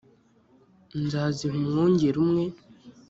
nzaziha umwungeri umwe .